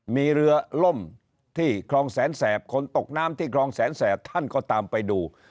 มีเรือล่มที่คลองแสนแสบคนตกน้ำที่คลองแสนแสบท่านก็ตามไปดู